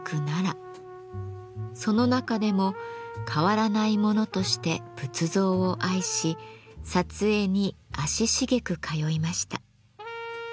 その中でも変わらないものとして仏像を愛し撮影に足しげく通いました。